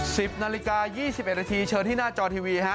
สิบนาฬิกายี่สิบเอ็ดนาทีเชิญที่หน้าจอทีวีฮะ